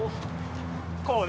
こうね？